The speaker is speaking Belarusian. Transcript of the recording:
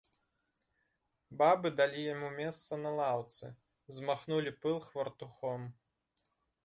Бабы далі яму месца на лаўцы, змахнулі пыл хвартухом.